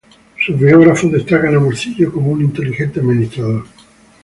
Sus biógrafos destacan a Morcillo como un inteligente administrador.